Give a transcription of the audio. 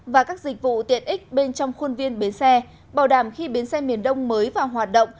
và các dịch vụ tiện ích bên trong khuôn viên bến xe bảo đảm khi bến xe miền đông mới vào hoạt động